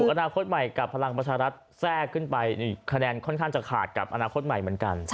ถุกอนาคตใหม่กับพลังปัชฌารัฐแทรกขึ้นไปแค่แค่จะขาดกับอนาคตใหม่